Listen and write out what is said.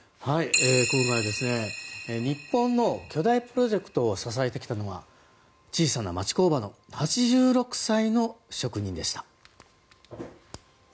今回は日本の巨大プロジェクトを支えてきたのは小さな町工場の８６歳の職人でした。